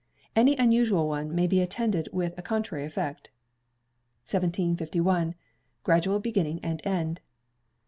Any unusual one may be attended with a contrary effect. 1751. Gradual Beginning and End.